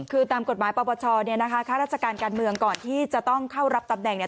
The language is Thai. คือตามกฎหมายปปชข้าราชการการเมืองก่อนที่จะต้องเข้ารับตำแหน่ง